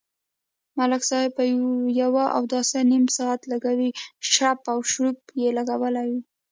ملک صاحب په یوه اوداسه نیم ساعت لگوي، شړپ او شړوپ یې لگولی وي.